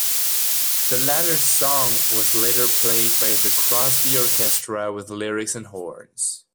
The latter song was later played by the Crosby orchestra with lyrics and horns.